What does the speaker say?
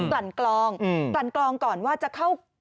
ลั่นกลองกลั่นกลองก่อนว่าจะเข้า